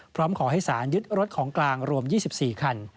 พร้อมขอให้สารยึดรถของกลางรวม๒๔คัน